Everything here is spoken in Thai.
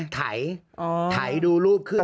ไถดูรูปขึ้น